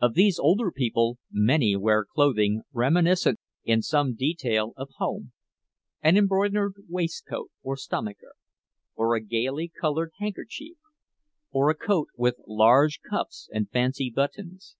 Of these older people many wear clothing reminiscent in some detail of home—an embroidered waistcoat or stomacher, or a gaily colored handkerchief, or a coat with large cuffs and fancy buttons.